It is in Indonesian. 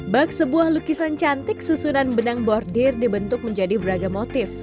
bak sebuah lukisan cantik susunan benang bordir dibentuk menjadi beragam motif